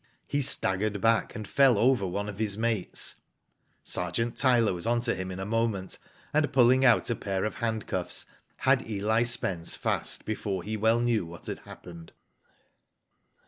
He staggered back, and fell over one of his mates. Sergeant Tyler was on to him in a moment, and pulling out a pair of handcuffs had Eli Spence fast before he well knew what had happened.